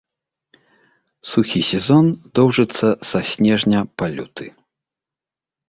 Сухі сезон доўжыцца са снежня па люты.